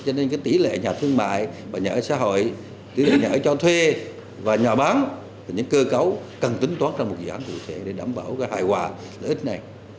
cho nên cái tỷ lệ nhà thương mại và nhà ở xã hội tỷ lệ nhà ở cho thuê và nhà bán là những cơ cấu cần tính toán ra một dự án cụ thể để đảm bảo cái hài hòa lợi ích này